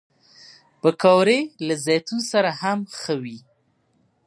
پکورې له زیتون سره هم ښه وي